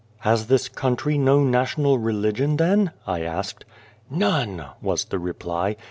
" "Has this country no national religion then?" I asked. "None," was the reply.